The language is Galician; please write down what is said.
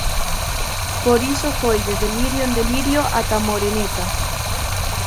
Por iso foi de delirio en delirio ata a Moreneta.